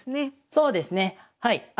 そうですねはい。